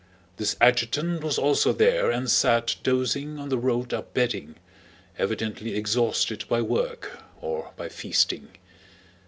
This adjutant was also there and sat dozing on the rolled up bedding, evidently exhausted by work or by feasting.